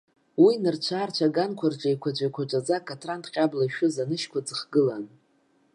Уи нырцә-аарцә аганқәа рҿы еиқәаҵәа-еиқәаҵәаӡа каҭран-тҟьабла ишәыз анышьқәа ӡыхгылан.